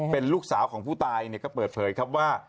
เป็นลูกสาวของผู้ตายก็เปิดเผยครับว่า